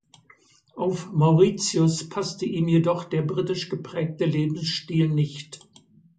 Auf Mauritius passte ihm jedoch der britisch geprägte Lebensstil nicht.